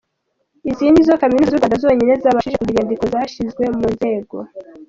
Izi nizo kaminuza z’u Rwanda zonyine zabashije kugira inyandiko zashyizwe mu nzego.